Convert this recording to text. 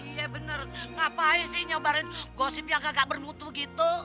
iya bener ngapain sih nyobarin gosip yang agak bermutu gitu